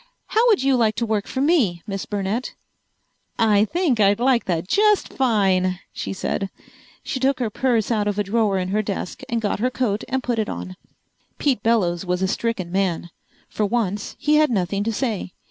How would you like to work for me, Miss Burnett?" "I think I'd like that just fine," she said. She took her purse out of a drawer in her desk and got her coat and put it on. Pete Bellows was a stricken man. For once he had nothing to say.